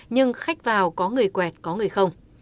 nhưng khách vào có người quẹt có người không